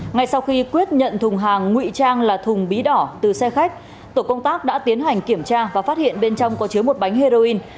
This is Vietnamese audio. ngay sau khi quyết nhận thùng hàng ngụy trang là thùng bí đỏ từ xe khách tổ công tác đã tiến hành kiểm tra và phát hiện bên trong có chứa một bánh heroin